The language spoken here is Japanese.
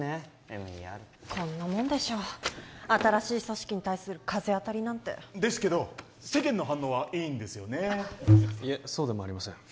ＭＥＲこんなもんでしょ新しい組織に対する風当たりなんてですけど世間の反応はいいんですよねいえそうでもありません